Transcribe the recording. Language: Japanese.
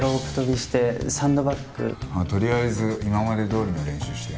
とりあえず今までどおりの練習して。